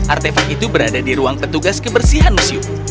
artefak itu berada di ruang petugas kebersihan museum